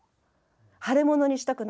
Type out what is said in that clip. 腫れ物にしたくないんです。